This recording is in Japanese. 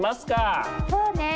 そうね！